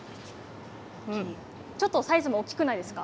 ちょっとサイズも大きくないですか？